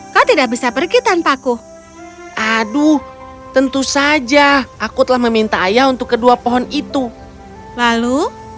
kau tidak bisa pergi tanpaku aduh tentu saja aku telah meminta ayah untuk kedua pohon itu lalu